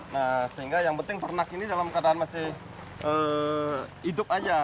nah sehingga yang penting ternak ini dalam keadaan masih hidup aja